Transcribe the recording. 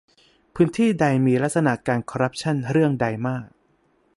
พื้นที่ใดมีลักษณะการคอร์รัปชั่นเรื่องใดมาก